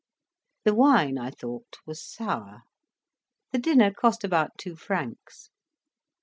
The wine, I thought, was sour. The dinner cost about two francs.